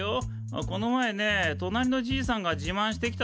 この前ねとなりのじいさんが自慢してきたんだ。